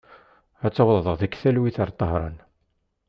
Ad taweḍ deg talwit ɣer Tahran.